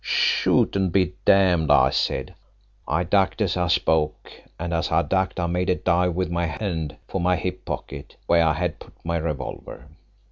'Shoot and be damned,' I said. I ducked as I spoke, and as I ducked I made a dive with my hand for my hip pocket where I had put my revolver.